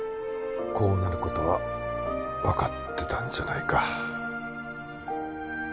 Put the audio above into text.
こうなることは分かってたんじゃないか